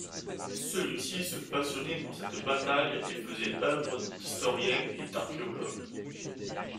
Celui-ci se passionnait pour cette bataille et faisait œuvre d'historien et d'archéologue.